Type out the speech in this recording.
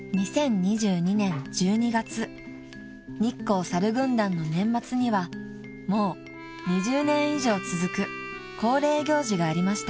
［日光さる軍団の年末にはもう２０年以上続く恒例行事がありました］